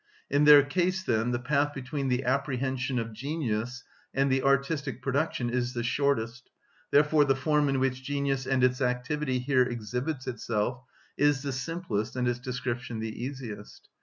In their case, then, the path between the apprehension of genius and the artistic production is the shortest; therefore the form in which genius and its activity here exhibits itself is the simplest and its description the easiest.